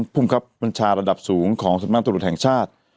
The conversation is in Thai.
ภูมิครับบัญชาระดับสูงของสำนักงานตรวจแห่งชาติ